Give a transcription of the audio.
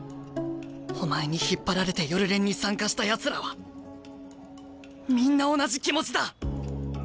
お前に引っ張られて夜練に参加したやつらはみんな同じ気持ちだ！